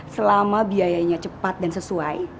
selama biayanya cepat dan sesuai